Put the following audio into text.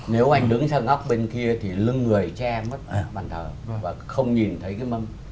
nếu anh đứng sang góc bên kia thì lưng người che mất ở bàn thờ và không nhìn thấy cái mâm